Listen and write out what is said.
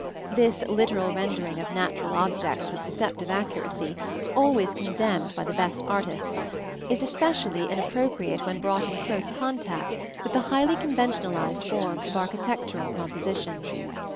This literal rendering of natural objects with deceptive accuracy, always condemned by the best artists, is especially inappropriate when brought in close contact with the highly conventionalized forms of architectural composition.